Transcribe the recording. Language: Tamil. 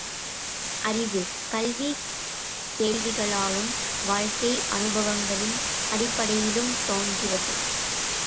அறிவு, கல்வி கேள்விகளாலும், வாழ்க்கை அனுபவங்களின் அடிப்படையிலும் தோன்றுவது.